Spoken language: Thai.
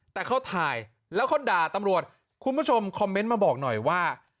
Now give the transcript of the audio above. แต่เขาถ่ายแล้วเขาด่าตำรวจคุณผู้ชมคอมเมนต์มาบอกหน่อยว่า